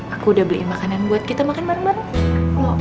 aku udah beli makanan buat kita makan bareng bareng